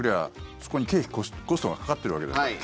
そこに経費、コストがかかってるわけじゃないですか。